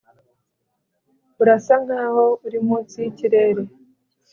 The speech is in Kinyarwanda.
urasa nkaho uri munsi yikirere